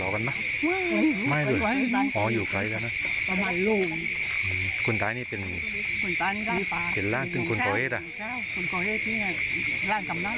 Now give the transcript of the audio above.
คุณตายนี่เป็นหลานกำนันกับเป็นหลานกำนันกัน